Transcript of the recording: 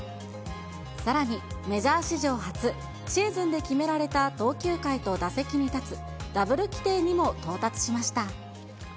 さらに、メジャー史上初、シーズンで決められた投球回と打席に立つダブル規定にも到達しました。